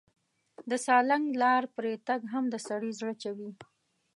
د سالنګ لار پرې تګ هم د سړي زړه چوي.